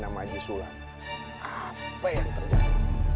nama haji sulam apa yang terjadi